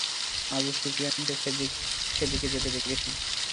আবু সুফিয়ানকে সেদিকে যেতে দেখেছি।